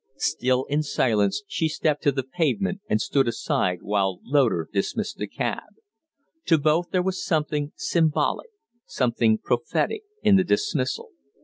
Still in silence she stepped to the pavement and stood aside while Loder dismissed the cab. To both there was something symbolic, something prophetic, in the dismissal.